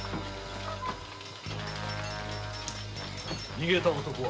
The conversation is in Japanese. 逃げた男は？